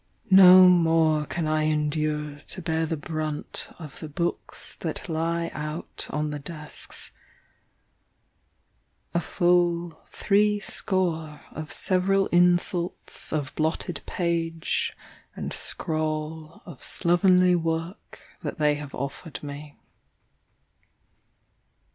No more can I endure to bear the brunt Of the books that lie out on the desks: a full three score Of several insults of blotted page and scrawl Of slovenly work that they have offered me.